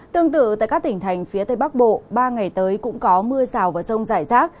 tương tự tại các tỉnh thành phía tây bắc bộ ba ngày tới cũng có mưa rào và rông rải rác